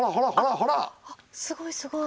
あっすごいすごい！